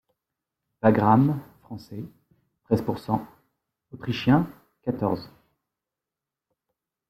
Wagram, français, treize pour cent ; autrichiens, quatorze.